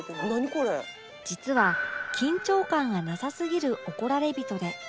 実は緊張感がなさすぎる怒られびとで